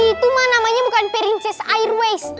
itu mah namanya bukan perincis airways